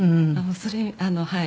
それはい。